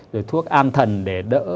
rồi thuốc an thần để đỡ